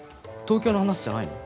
東京の話じゃないの？